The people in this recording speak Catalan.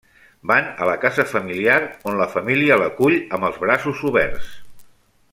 Van a la casa familiar on la família l'acull amb els braços oberts.